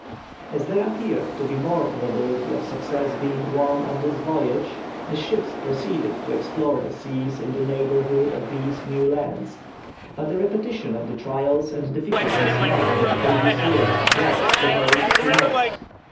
As there appeared to be more probability of success being won on this voyage, the ships proceeded to explore the seas in the neighbourhood of these new lands; but a repetition of the trials and difficulties met in the previous year brought the hopes to nought.